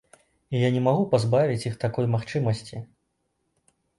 І я не магу пазбавіць іх такой магчымасці.